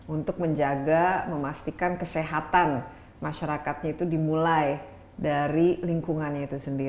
untuk menjaga memastikan kesehatan masyarakatnya itu dimulai dari lingkungannya itu sendiri